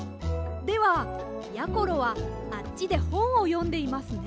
ではやころはあっちでほんをよんでいますね。